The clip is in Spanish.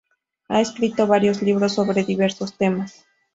Ha escrito varios libros sobre diversos temas.